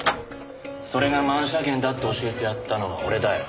それが万車券だって教えてやったのは俺だよ。